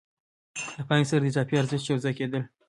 له پانګې سره د اضافي ارزښت یو ځای کېدل